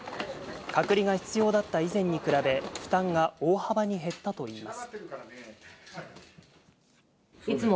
隔離が必要だった以前に比べ、負担が大幅に減ったといいます。